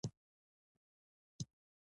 زموږ لار د حق او رښتیا لار ده.